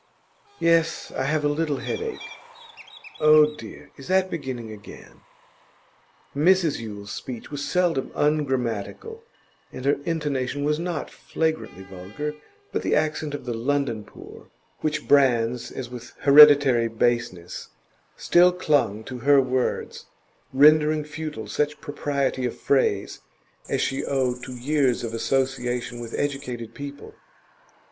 'Yes; I have a little headache.' 'Oh, dear! Is that beginning again?' Mrs Yule's speech was seldom ungrammatical, and her intonation was not flagrantly vulgar, but the accent of the London poor, which brands as with hereditary baseness, still clung to her words, rendering futile such propriety of phrase as she owed to years of association with educated people.